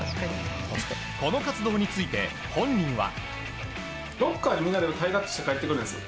この活動について、本人は。